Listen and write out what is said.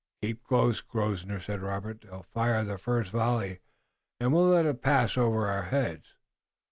"Keep close, Grosvenor," said Robert. "They'll fire the first volley and we'll let it pass over our heads."